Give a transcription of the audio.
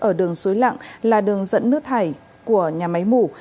ở đường suối lặng là đường dẫn nước thải của nhà máy mủ